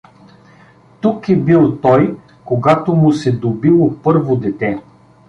Тук е бил той, когато му се добило първо дете.